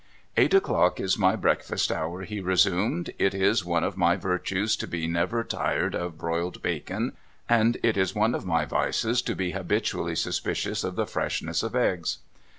' Eight o'clock is my breakfast hour,' he resumed. ' It is one of my virtues to be never tired of broiled bacon, and it is one of my vices to be habitually suspicious of the freshness of eggs.'